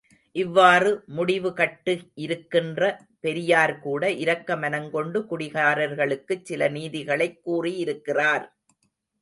இவ்வாறு முடிவுகட்டியிருக்கின்ற பெரியார்கூட இரக்க மனங்கொண்டு, குடிகாரர்களுக்கு சில நீதிகளைக் கூறியிருக்கிறார்.